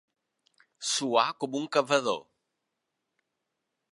Suar com un cavador.